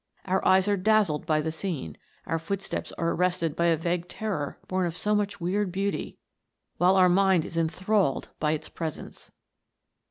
Our eyes are dazzled by the scene, and our footsteps are arrested by a vague terror born of so much weird beauty, while our mind is enthralled by its presence.